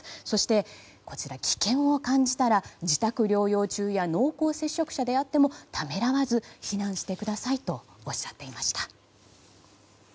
そして、危険を感じたら自宅療養中や濃厚接触者であってもためらわず避難してくださいとおっしゃっていました。